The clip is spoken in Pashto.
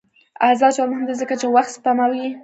آزاد تجارت مهم دی ځکه چې وخت سپموي.